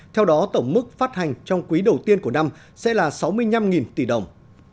theo đó tổng mức phát hành trong quý đầu tiên của năm sẽ là sáu mươi năm tỷ đồng